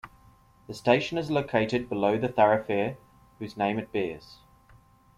The station is located below the thoroughfare whose name it bears.